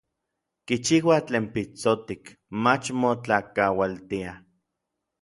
Kichiuaj tlen pitsotik, mach motlakaualtiaj.